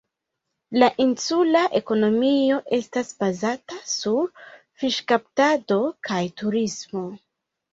La insula ekonomio estas bazata sur fiŝkaptado kaj turismo.